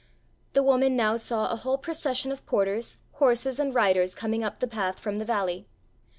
The woman now saw a whole procession of porters, horses and riders coming up the path from the valley.